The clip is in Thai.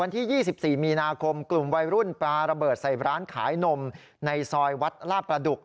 ที่๒๔มีนาคมกลุ่มวัยรุ่นปลาระเบิดใส่ร้านขายนมในซอยวัดลาดประดุก